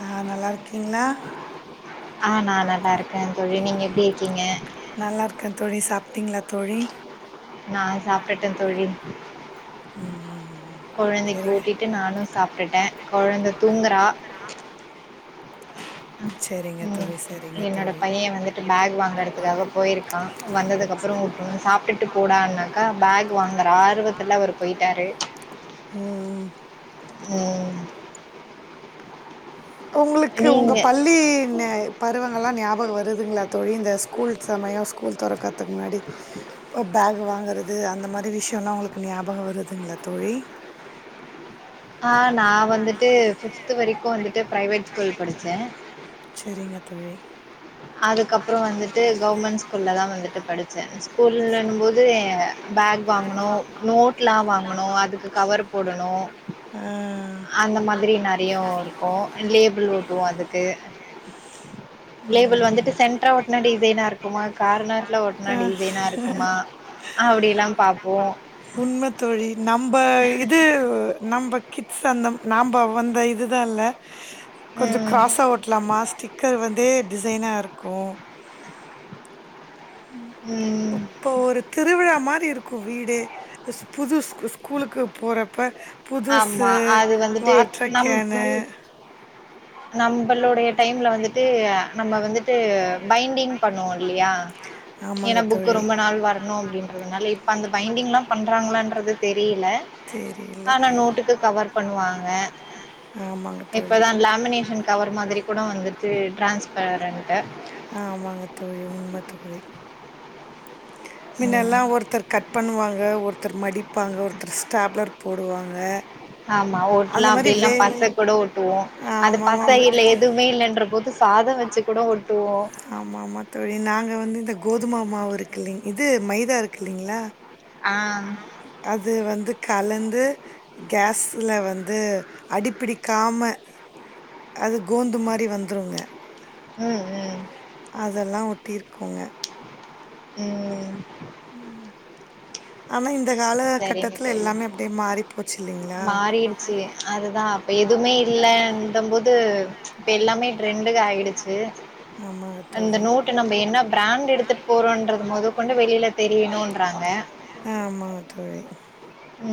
ஆ நல்லா இருக்கீங்களா ஆஹ் நான் நல்லா இருக்கேன் தோழி நீங்க எப்படி இருக்கீங்க கிங்க நல்லா இருக்கேன் தோழி சாப்பிட்டீங்களா தோழி நான் சாப்பிட்டேன் தோழி ம் குழந்தைக்கு சரிங்க ஊட்டிட்டு நானும் சாப்பிட்டுட்டேன் குழந்தை தூங்குறா சரிங்க உம் தோழி சரிங்க என்னோட தோழி பையன் வந்துட்டு பேக் வாங்கறதுக்காக போயிருக்கான் வந்ததுக்கு அப்புறம் விட்டுணும் சாப்பிட்டுட்டு போடான்னாக்கா பேக் வாங்குற ஆர்வத்துல அவரு போயிட்டாரு உம் உஹம் உங்களுக்கு உங்க பள்ளி பருவங்க ஞாபகம் வருதுங்களா தோழி இந்த ஸ்கூல் சமயம் ஸ்கூல் துறக்கத்துக்கு முன்னாடி இ பேக் வாங்கறது அந்த மாதிரி விஷயம்லாம் உங்களுக்கு ஞாபகம் வருதுங்களா தோழி ஆஹ் நான் வந்துட்டு பிப்து வரைக்கும் வந்துட்டு பிர்வேட் ஸ்கூல் படிச்சேன் செரிங்கத் தோழி அதுக்கப்புறம் வந்துட்டு கவர்மெண்ட் ஸ்கூல்ல தான் வந்துட்டு பட்டு படிச்சேன் ஸ்கூலன்னும் போது பேக் வாங்கணும் நோட்லாம் வாங்கணும் அதுக்கு கவர் போடணும் ஆஹ் அந்த மாதிரி நிறைய இருக்கும் லேபிள் ஒட்டுவோம் அதுக்கு லேபிள் வந்துட்டு சென்டரா ஓட்டனா டிசைனா இருக்குமா கார்னர்ல ஓட்டனா டிசைனா இருக்குமா ஆ. அப்படி எல்லாம் பாப்போம் உண்மை தோழி. நம்ப இது நம்ப கிட்ஸ் அந்த நம்ப வந்த இதுதான்ல கொஞ்சம் கிராஸ் ஆ ஓட்டலாமா ஸ்டிக்கர் வந்துட்டு டிசைனா இருக்கும் அப்போ ஒரு திருவிழா அ மாரி இருக்கு வீடே புது ஸ்க் ஸ்கூலுக்கு போறப்ப புதுசு ஆமாம் அது வந்துட்டு வாட்ர கேனு நம்பளோடைய டைம்ல வந்துட்டு நம்ம வந்து டுஅ பைண்டிங் பண்ணுவோலியா ஆமாங்க ஏனா புக்கு தோழி. ரொம்ப நாள் வரணு அப்டின்றதுனால இப்ப அந்த பைண்டிங்லா பண்றாங்களான்றது தெரியல தெரியல ஆனா நோட்டுக்கு கவர் பண்ணுவாங்க ஆமாங்க தோழி. இப்பதா லேமினே ஷன் கவர் மாதிரி கூட வந்துட்டு டிரான்ஸ் பே ரெண்ட ஆமாங்க தோழி உண்ம தோழி ம் மின்னலா ஒருதர் கட் பண்ணுவாங்க ஒருத் த்தர் மடிப்பாங்க ஒருத்தர் ஸ்டாப்லர் போடுவாங்க ஆமா அந்த ஒட்லா ஆமாமா. மாரி அப்டில்லன வேலை பச வித்தியாச கூட ஒட்டுவோ பசக்கூடம் அது ஆமாமா பச வே இல்ல பசங் எதுமே இல்லன்ற போது சாதோ வச்சு கூட ஒட்டுவோ மாவுருக்கில்லேங் இது மைதா இருக்குல்லேங்ளா ஆ அது வந்து கலந்து கேஸுல வந்து அடிப்பிடிக்காம அது கோந்து மாரி வந்துருங்க உ உ அதெல்லா ஒட்டிருக்கோங்க உ உ உ ஆனா இந்த கால சரிங்க கட்டத்துல தோழி எல்லாமே அப்டியே மாறி போச்சு இல்லேங்ளா இப்ப எதுமே இல்லேன்றபோது இப்ப எல்லாமே ட்ரெண்டுக்கு ஆய்டுச்சு ஆமாங்க அந்த தோழி. நோட்டு நம்ம என்ன பிராண்ட் எடுத்துட்டு போறோன்றது மொதொ கொண்டு வெளில தெரியணுன்றாங்க ஆமாங்க தோழி ஊ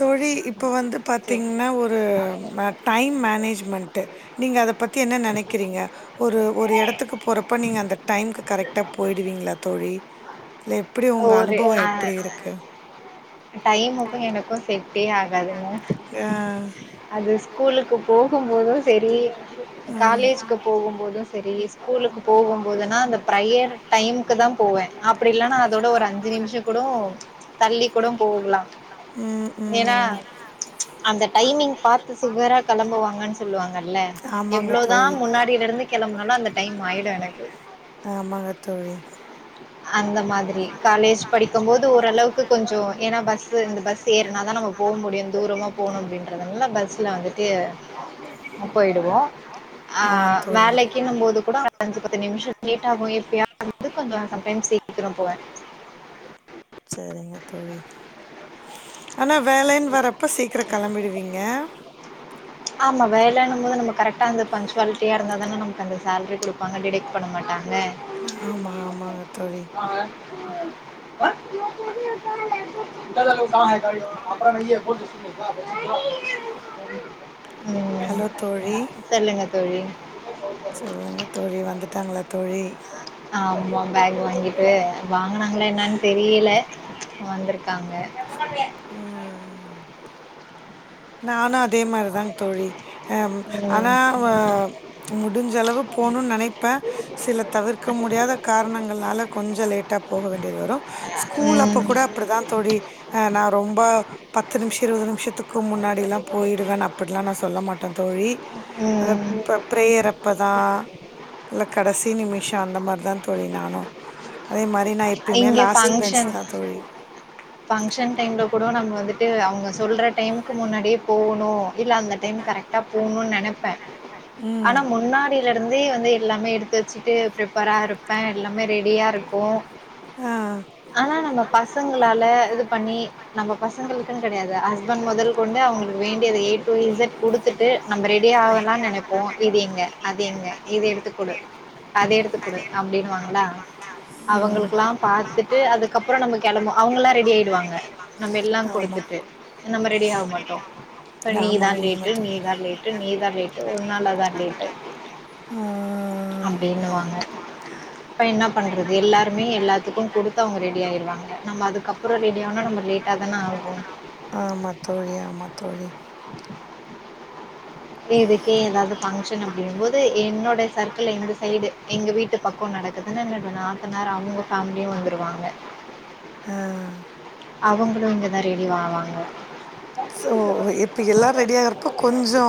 தோழி இப் இப்போ வந்து சரி பாத்தீங்னா ஒரு ம டைம் மேனேஜ்மெண்ட்டு நீங்க அத பத் த்தி என்ன நெனைக்கிறீங்க ஒரு ஒரு எடத்துக்கு போறப்ப நீங்க அந்த டைம்கு கரெக்டா பொய்டுவீங்ளா தோழி இல்ல எப்டி ஒங்க ஒரு அனுபவோ அ எப்டி இருக்கு டைமுக்கு எனக்கு செட்டே ஆகாதுங்க ஆ, அது ஸ்கூலுக்கு போகும்போது து செரி ஆ, காலேஜுக்கு போகும் போதும் சரி ஸ்கூலுக்கு போகும் போதுனா அந்த பிரேயர் டைமுக்கு தான் போவேன் அப்படி இல்லன்னா அதோட ஒரு அஞ்சு நிமிஷம் கூட தள்ளி கூட போகலாம் ம், ஏன்னா ம். அந்த டைமிங் பாத்துத் சுவரா கிளம்புவாங்கன்னு சொல்லுவாங்கல்ல ஆமாங்க தோழி. எவ்ளோதான் முன்னாடியில இருந்து கிளம்புனாலும் அந்த டைம் ஆய்டும் எனக்கு ஆமாங்க தோழி அந்த மாதிரி காலேஜ் படிக்கும் போது ஓரளவுக்கு கொஞ்சம் ஏன்னா பஸ் பஸ் ஏறனாதான் நமக்கு போக முடியும் தூரமா போகணும் அப்படின்றதுனாம் பஸ்ல வந்துட்டு போயிடுவோம் ஆ ஆஹ் தோழி. வேலைகின்னுபோது கூட அஞ்சு பத்து நிம்ஷ லேட் ஆகும் எப்யாது கொஞ் சம்டைம்ஸ் சீக்கிரம் போவேன் சரிங்க தோழி ஆனால் வேலைன்னு வரப்போ சீக்கிரம் கிளம்பிடுவீங்க ஆமா வேலைனும் போது நம்ம கரெக்டா வந்து பஞ்ச் டுவெடியாக இருந்தால் தே நமக்கு அந்த சேலரி கொடுப்பாங்க டிடெட் பண்ண மாட்டங்க ஆமா ஆமாங்க தோழி கா அப்புற [unintelligible] ஹலோ தோழி தோழி சொல்லுங்க தோழி வந்துட்டாங்கள தோழி ஆமா பேக் வாங்கிட்டு வாங்கனாங்களா என்னன்னு தெரியல வந்திருக்காங்க ஹ ஹ ஹ நானாத் அதே மாதிரிதான் தோழி ஹ ம். ஆனா ம் ச் முடிஞ்சளவு போணும் நினைப்ப சில தவிர்க்க முடியாத காரணங்களனால கொஞ்சம் லேட்டா போக வேண்டியது வரும் ஸ்கூல் அப்ப ம். கூட அப்படிதான் தோழி ஆஹ நான் ரொம்ப பத்து நிமிஷம் இருபது நிமிஷத்துக் இதுக்கு முன்னாடி போய்டுவேன் அப்டி நான் சொல்ல மாட்டேன்தோழி ம். பிரேயர் அப்ப தான் கடைசி நிம்ஷிம் அந்த மாதிரி ந நா எப்பையுமே லாஸ்ட் பென்ஞ் தான் தோழி பங்க்ஷன் டைம்ல கூட நம்ம வந்துட்டு அவங்க சொல்ற டைமுக்கு முன்னாடியே போகணும் இல்ல அந்த டைம் கரெக்டா போகணும்னு நினைப்பேன் ம் ஆனா முன்னாடியில இருந்தே வந்து எல்லாமே எடுத்து த வச்சுட்டு ப்ரிப்பேரா இருப்பே எல்லாமே ரெடியா இருக்கு ஆ ஆனா நம்ம பசங்ள த இது பண்ணி நம்ம பசங்களுக்குனு கெடையாது ஹஸ்பண்ட் மொதல் கொண்டு அவங்களுக்கு வேண்டியத எ டு இசட் குடுத்துட்டு நம்ம ரெடியா ஆவலானு நெனப்போ இது எங்க அது எங்க இது எடுத்துக்குடு அத எடுத்துக்குடு அப்டினுவாங்களா ம் அவங்களுக்குலா பாத்துட்டு அதுக்கப்றோ நம்ம கெளம்புவோ அவங்கல்லா ரெடி ஆய்டுவாங்க நம்ம எல்லா ஆமா பிளேட்லா குடுத்துட்டு நம்ம ரெடி ஆவ மாட்டோ அப்ற ஆமா நீதா உண்ம லேட்டு தோ நீ தா லேட்டு டு நீ தா லேட்டு உன்னாலதா லேட் ஆய்ட்டு ஆ அப்டினுவாங்க இப்ப என்ன பண்றது எல்லாருமே எல்லாத்துக்கு குடுத்தவங்க ரெடி ஆய்ருவாங்க நம்ம அதுக்கப்றோ ரெடி ஆனா நம்ம லேட்டா தான ஆகு ஆமா தோழி ஆமா தோழி இதுக்கே ஏதாவ்து ஃபங்க்ஷன் அப்டிங்கும்போது என்னோட சர்கிள் இந்த சைடு எங்க வீட்டு பக்கோ நடக்குதுனா என்னோட நாத்தனார் அவங்க ஃபேமிலியு வந்துருவாங்க ஆ அவங்களு இங்கதா ரெடிவாவாங்க சோ இப்ப எல்லாரு ரெடி ஆகுறப்ப கொஞ்சோ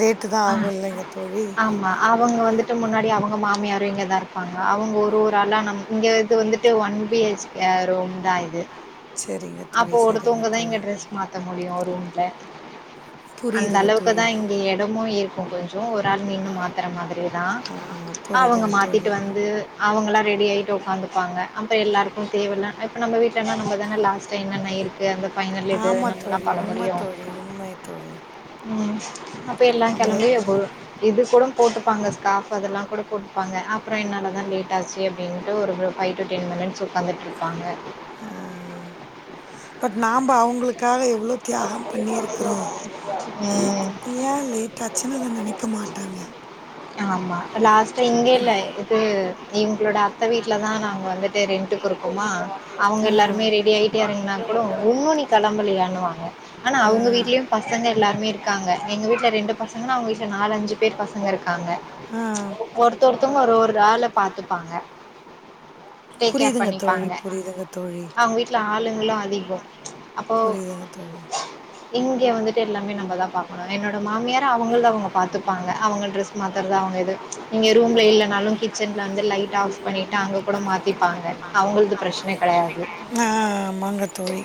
லேட்டு தா ஆ ஆகு இல்லைங்க தோழி ஆமா அவங்க வந்துட்டு முன்னாடி அவங் க மாமியாரு இங்க தா இருப்பாங்க அவங்க ஒரு ஒரு ஆளா நம் இங்க இது வந்துட்டு one B H K room தா இது செரிங்க தோழி அப்போ செரிங்க ஒருத்தவங்கதா இங்க தோழி ட்ரெஸ் மாத்த முடியு ரூம் ல புரியுதுங்க தோ இப்தா இங்க எடமு இரு கொஞ்ச கொஞ்சோ ஒரு ஆள் நின்னு மாத்துற மாரி தா ஆ அவங்க புரியுதுங்க மாத்திட்டு தோழி வந்து அவங்கல்லா ரெடி ஆய்ட்டு உக்காந்துப்பாங்க அப்பறோ எல்லாருக்கு தேவனா இப்போ நம்ம வீட்லனா நம்ம தான லாஸ்டா என்னென்ன இருக் ஆமா தோழி உண்ம தோழி உண்மை தோழி உ அப்ப எல்லா ஆமா கெளம்பி எ [unintelligible] இது கூட போட்டுப்பாங்க ஸ்காஃப் அதெல்லா கூட போட்டு ப்பாங்க அப்றோ என்னாலதா லேட் ஆச்சு அப்பின்ட்டு ஒரு ஃபை டு டென் மினிட்ஸ் உக்காந்துட்ருப்பாங்க ஆ பட் நாம அவங்களுக்காக எவ் எவ்ளோ தியாகோ பண்ணிருக்குறோ உ ம் ஏ லேட்டாச்சுனு அத நெனைக்க மாட்டாங்க ஆமா லாஸ்ட்டா இங்க இல்ல இது இவங்களோட அத்த வீட்லதா நாங்க வந்துட்டு ரென்டுக்கு இருக்கோமா அவங்க ஆ எல்லாருமே ரெடி ஆயிட்டு எறங்குனா கூட ஓ னி கெளம்பளயாணுவா ஆனா ஆ அவங்க வீட்லயும் பசங்க எல்லாருமே இருக்காங்க எங்க வீட்டுல ரெண்டு பசங்கன்னா அவங்க விட்ல நாலுஞ்சு பேர் பசங்க இருக்காங் ஆ ஒருத்த ஒருத்தங்க ஒரு ஒரு ஆளை பாத்துப்பாங்க டேக் கேர் புரியுதுங்க தோழி பண்ணிப்பாங்க புரியுதுங்க தோழி அவங்க வீட்டுல ஆளுங்களும் அதிகம் அப்போ புரியுதுங்க தோழி இங்கே வந்துட்டு எல்லாமே நம்மதான் பார்க்கணும் என்னோட மாமியார் அவங்கள தான் அவங்க பாத்துப்பாங்க அவங்க டிரெஸ் மாத்தறதா அவங்க எ நீங்க ரூம்ல இல்லைனாலும் கிச்சன்ல வந்து லைட் ஆப் பண்ணிட்டு அங்க கூட மாத்திப்பாங்க அவங்களுக்கு பிரச்சனை கிடையாது ஆ ஆமாங்க தோழி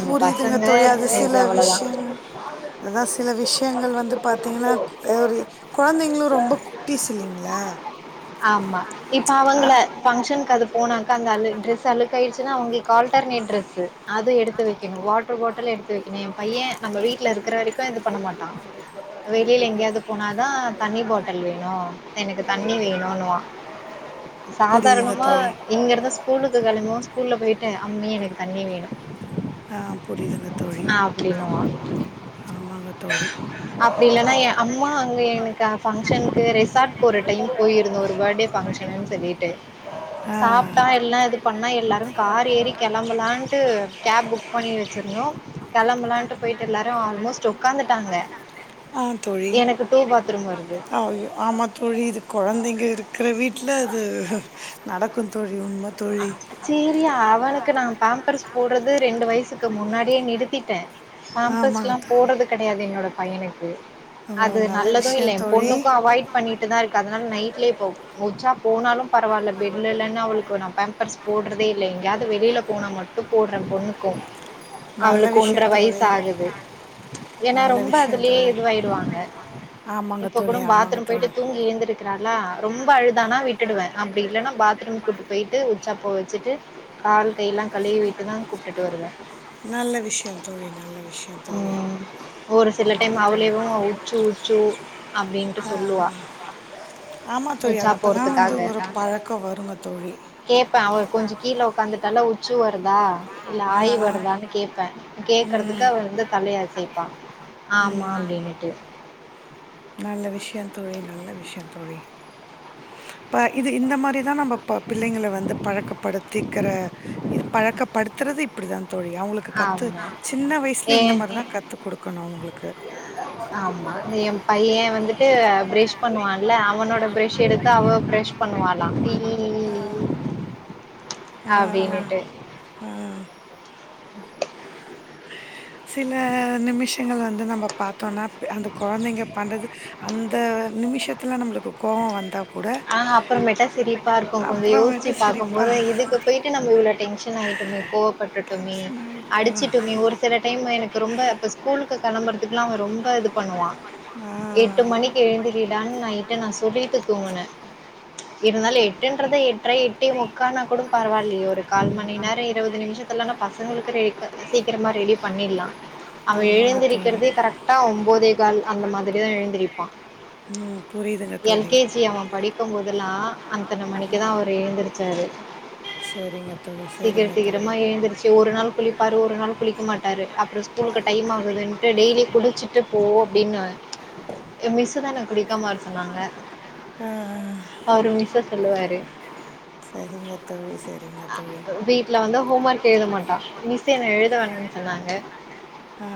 புரியுதுங்க தோழிஅது சில இது அவ்வளோதான். விஷயங்கள் அதான் சில விஷயங்கள் வந்து பாத்தீங்கன்னா ஒரு குழந்தைங்களும் ரொம்ப குட்டிஸ்க இல்லைகலா ஆமா இப்ப அவங்கள ஆஹ் ஃபங்ஷனுக்கு ன்ன அவங்க கால்டர்னட் டிரஸ் அதுவும் எடுத்து வைக்கணும் வாட்டர் பாட்டில் எடுத்து வைக்கணும் என் பையன் நம்ம வீட்டில் இருக்கிற வரைக்கும் இது பண்ண மாட்டான் வெளியில எங்கேயாவது போன தான் தண்ணி பாட்டில் வேணும் எனக்கு தண்ணி வேயணும்னுவான் புரியுதுங்க சாதாரணமா தோழி இங்க இருந்து ஸ்கூலுக்கு கிளிம்ப ஸ்கூல போயிவிட்டு அம்மி எனக்கு த்தண்ணி வேணும் ஆ புரியுதுங்க தோழி அஹ் அப்படின்னு ஆமாங்க தோழி அப்படி இல்லைன்னா என் அம்மா அங்க எனக்கு பங்க்ஷனுக்கு ரெசார்ட் போற டைம் போயிருந்தோம் ஒரு பர்டே்ஷன்சொல்லிட்டு ஆ சாப்பிட்டா எல்லாம் இது பண்ணா எல்லாரும் கார் ஏறி கிளம்பலான் கேப் புக் பண்ணி வச்சிருந்தோ கிளம்பலாம்ட்டு போயிட்டு எல்லாரு ஆல்மோஸ்ட் உட்காந்துட்டாங்க ஆஹ தோழி எனக்கு டூ பாத்ரூம் வருது ஆமா தோழி இது குழந்தைங்க இருக்கிற வீட்டு இல அது நட குந்த [inaudible] சரி அவள க்கு நான் பேம்பர்ஸ் போடுறது ரெண்டு வயசுக்கு முன்னாடியே நிறுத்திட்டேன் பெம்பஸ் ஆமாங்க எல்லாம் தோழி போடுறது கிடையாது என்னோட பையனுக்கு ஓ அது நல்ல நல்லதும் இல்லலை விஷயம் என் தோழி பொண்ணுக்கும் அவாய்ட் பண்ணிட்டு தான் இருக்கு அதனால நைட் வலயே போகும் முச்சா போனாலோ பரவாயில்ல பெட்ல இல்லன்னா அவளுக்கு நம் பேம்பர்ஸ் போடுறதே இல்ல எங்கயாவது வெளியில போனா மட்டோ போடுறன் பொண்ணுக்கு நல்ல அவளுக்கு ஒன்ற விஷயம் தோழி வயசு ஆகுது ஏன்னா நல்ல ரொம்ப விஷயம் அதுலயே தோழி இதுவாயிடுவாங்க ஆமாங்க இப்ப கூட தோழி ஆமாங்க பாத்ரூம் போயிட்டு தோழி தூங்கி ஏழுந்திருக்கிறா நா ரொம்ப அழுதானா விட்டுடுவேன் அப்படி இல்லைன்னா பாத்ரூம் கூட்டிட்டு போயிட்டு ட்டு உச்சாப் போக வச்சுட்டு கால் கைெல்லாம் கழுைய வட்டுதான் கூப்பிட்டு வருவேன் நல்ல விஷயம் தோழி நல்ல விஷய உம் ஒரு சில டைம் அவளே தோழி உச்சு உச்சு அப்படின்னு சொல்லுவா ஆமாம் தோழி உச்சா அது அப்போ தான் வந்து போறதுக்காக ஒரு பழக்கம் வருங்க தோழி கேட்பேன் அவ கொஞ்சம் கீழே உக்காந்துட்டால உச்சு வருதா இல்ல ஆ ஆய் ஆ வருதான்னு கேப்பேன் ம் கேக்குறதுக்கு வந்து தலயா அசைப்பா ஆமா ம் அப்படின்னுட்டு நல்ல விஷயம் தோழி நல்ல விஷயம் தோழி இப்போ இது இந்த மாதிரி தா நம்ம பிள்ளைங்க வந்து பழக்கப்படுத்திக்கிற பழக்கப்படுத்துறது இப்படிதான் தோழி அவங்களுக்கு கத்து ஆமா சின்ன வயசுல ஏ இந்த மாதிர தான் கத்து கொடுக்கணும் அவங்களுக்கு ப்ரெஷ் பண்ணுவான்ல அவனோட ப்ரெஷ் எடுத்து அவ பிரெஷ் பண்ணுவாலா ஆஹ ஆஹ அப்டின்னுட்டு உஹம் ஹ [inaudible] சில நிமிஷங்கள் வந்து வ நம்ம பார்த்தோன்னா அந்த குழந்தைங்க பண்ணுறது அந்த நிமிஷத்துல நம்மளுக்கு கோவோ வந்தா கூட, ஆஹ் ஆமா, அப்பறமேட்டா சிரிப்பா இருக்கும் கொஞ்சம்யோச்சு அப்புறமேட்டு பாக்கும் சிரிப்பா போது இது நிச்சயமா. போயிட்டு நம்ம இவ்வளவு டென்ஷன் ஆயிட்டுமே கோப்பட்டு டென்ஷன் ஆயிட்டா. அடிச்சட்டுமே அடு ஒரு சில டைம் எனக்கு ரொம்ப ஸ்கூலுக்கு கிளம்பறது ரொம்ப இதுப் பண்ண பண்ணுவான் ஆ எட்டு ம். மணிக்கு எழுந்துக்கிடான்னு நைட்டே நான் சொல்லிட்டு தூங்குனேன் இருந்தாலும் எட்டுன்றத எட்டரை எட்டு முக்கானா கூடும் பரவாயில்லைய ஒரு கால் மணி நேரம் இருபது நிமிஷத்துல பச பசங்களுக்கு ரெடி சீக்கிரமா ரெடி பண்ணிடலாம் அவ ஆமாங்க ஆமா. தோழி. எழுந்திருக்கிறதே கரெக்டா ஒன்போதே கால் அந்த மாதிரிதான் எழுந்திருப்பா ம் புரியுதுங்க தோழி. எல்கேஜி அவன் படி போதலாம் அத்தனை ஆ அந்த மணிக்குதான் மாரி. அவர் எழுந்திருச்சாரு சரிங்க தோழி, சீக்கிரம் சரிங்க தோழி. சீக்கிரமா எழுந்தருச்சு ஒரு நாள் குளிப்பாரு ஒரு நாள் குளிக்க மாட்டாரு அப்பறோ ஸ்கூலுக்கு டைம் ஆகுதுன்னட்டு டெய்லி குடிச்சுட்டு போனு அப்படின்னுவ மிஸ் தான குளிக்காம வர சொன்னாங்க ஆ, அவரு மிஸ் சொல்லுவாரு சரிங்க தோழி சரிங்க தோழி வீட்டுல வந்து ஹோம் ஒர்க் எழுத மாட்டான் மிஸ் என்ன எழுத வேணுன்னு சொன்னாங்க ஆ,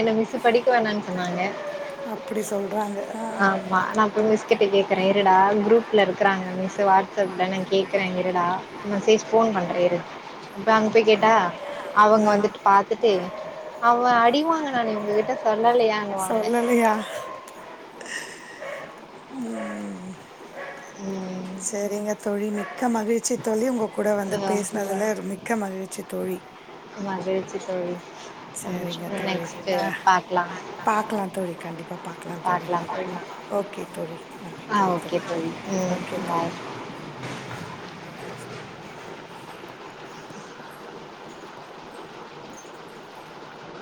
என்ன மிஸ்சு படிக்க வேணன்னனு சொன்னாங்க அப்படி சொல்கிறாங்க ஆமா நான் போய் மிஸ்கெட்ட கேக்குறேன் இருடா குரூப் ல இருக்கிறாங்க மிஸ் வாட்ஸ்அப்ல நான் கேக்கிறங்கெ டா மெசேஜ் போன் பண்றேன்இரு இப்ப அங்க போய் கேட்டா அவங்க வந்துட்டு பாத்துட்டு அவ அடிவாங் நான உங்ககிட்ட சோ சொல்லையாங்குவாங்க ஊ ம் செரிங்க தோழி நீ மிக்க மகிழ்ச்சி தோழி உங்க கூட வந்து ஆ பேசுனதுல மிக்க மகிழ்ச்சி தோழி மகிழ்ச்சி தோழி செரிங்க சந்தோஷம் தோழி நெக்ஸ்ட்டு ஆ பாக்லா பாக்லா தோழி கண்டிப்பா பாக்கலா தோழி ஓகே தோழி நா ஆ வக்கிறேங்க ஓகே தோழி ம் ஓகே தோழி பாய்